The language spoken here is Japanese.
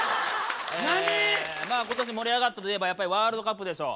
まあ今年盛り上がったといえばやっぱりワールドカップでしょう。